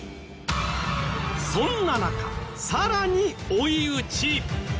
そんな中さらに追い打ち！